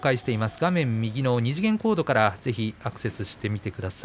画面右の２次元コードからアクセスしてみてください。